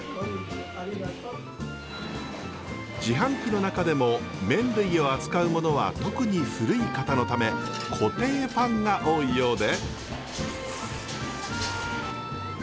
自販機の中でも麺類を扱うものは特に古い型のため固定ファンが多いようで。